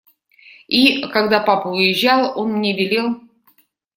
И, когда папа уезжал, он мне велел…